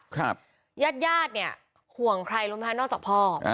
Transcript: ญาติญาติเนี่ยห่วงใครรู้ไหมคะนอกจากพ่อ